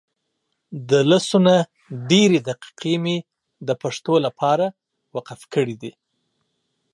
دلسونه ډیري دقیقی مي دپښتو دپاره وقف کړي دي